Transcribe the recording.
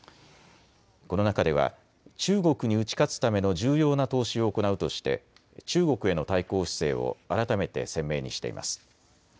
この中では中国に打ち勝つための重要な投資を行うとして中国への対抗姿勢を改めて鮮明にしています。